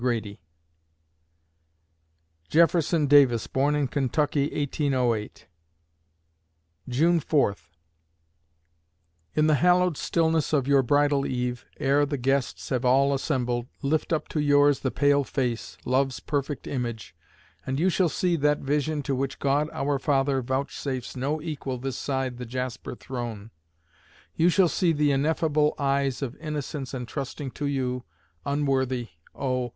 GRADY Jefferson Davis born in Kentucky, 1808 June Fourth In the hallowed stillness of your bridal eve, ere the guests have all assembled, lift up to yours the pale face, love's perfect image, and you shall see that vision to which God our Father vouchsafes no equal this side the jasper throne you shall see the ineffable eyes of innocence entrusting to you, unworthy, oh!